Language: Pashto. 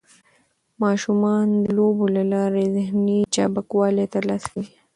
ماشومان د لوبو له لارې ذهني چابکوالی ترلاسه کوي.